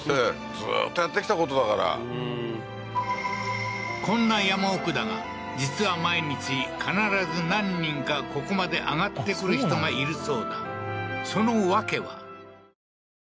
ずっとやってきたことだからこんな山奥だが実は毎日必ず何人かここまで上がって来る人がいるそうだ